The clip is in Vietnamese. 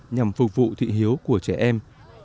nhằm phục vụ thị hiếu của trẻ em